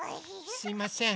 すいません。